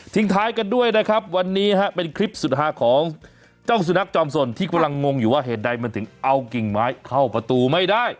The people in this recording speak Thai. ท้ายกันด้วยนะครับวันนี้เป็นคลิปสุดหาของเจ้าสุนัขจอมสนที่กำลังงงอยู่ว่าเหตุใดมันถึงเอากิ่งไม้เข้าประตูไม่ได้